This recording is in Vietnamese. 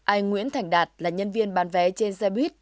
anh nguyễn thành đạt là nhân viên bán vé trên xe buýt